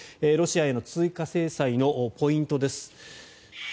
ロシアへの追加制裁のポイントです。